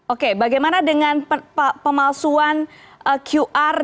oke bagaimana dengan pemalsuan qr